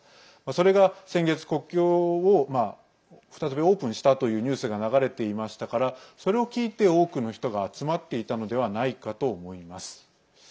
それが先月、国境を再びオープンしたというニュースが流れていましたからそれを聞いて、多くの人が集まっていたのではないかと思います。